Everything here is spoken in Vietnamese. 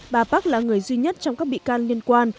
bà park là người duy nhất trong các bị can liên quan